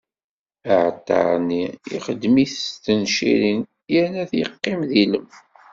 Aɛalṭar-nni, ixdem-it s tencirin, yerna yeqqim d ilem.